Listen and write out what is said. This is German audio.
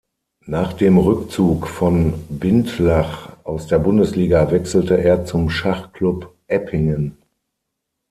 Nach dem Rückzug von Bindlach aus der Bundesliga wechselte er zum "Schachclub Eppingen".